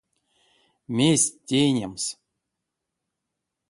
Мезть тейнемс?